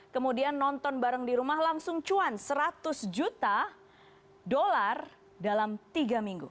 kemudian nonton bareng di rumah langsung cuan seratus juta dolar dalam tiga minggu